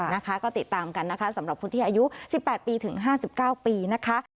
นะคะก็ติดตามกันนะคะสำหรับคนที่อายุ๑๘ปีถึง๕๙ปีนะคะ